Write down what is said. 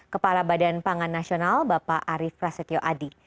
kepala badan pangan nasional bapak arief prasetyo adi